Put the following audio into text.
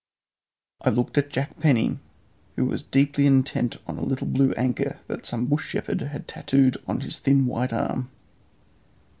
I looked at Jack Penny, who was deeply intent upon a little blue anchor that some bush shepherd had tattooed upon his thin white arm.